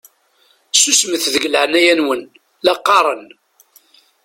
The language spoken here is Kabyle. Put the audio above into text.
Susmet deg leɛnaya-nwen la qqaṛen!